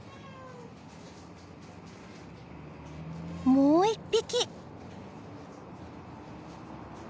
もう一匹。